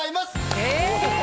え！